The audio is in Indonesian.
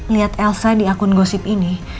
lihat elsa di akun gosip ini